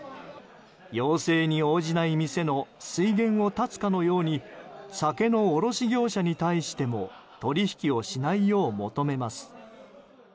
要請に応じない店の水源を断つかのように酒の卸業者に対しても取引をしないよう求めます。